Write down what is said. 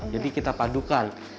jadi kita padukan